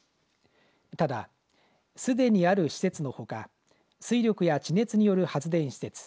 ただ、すでにある施設のほか水力や地熱による発電施設